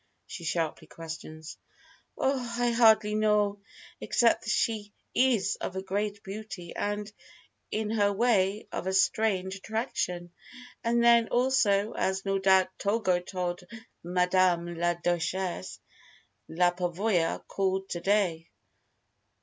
she sharply questioned. "Oh I hardly know. Except that she is of a great beauty, and in her way of a strange attraction. And then, also, as no doubt Togo told Madame la Duchesse, la Pavoya called to day."